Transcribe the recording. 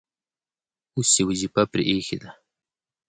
اوس یې وظیفه پرې ایښې ده.